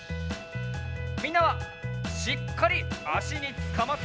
みんなはしっかりあしにつかまって！